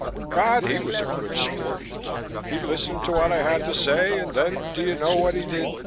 God! He was a good sport. He listened to what I had to say and then do you know what he did?